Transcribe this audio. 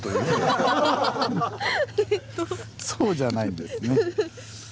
そうじゃないんですね。